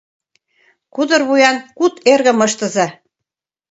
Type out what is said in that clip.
Кудыр вуян куд эргым ыштыза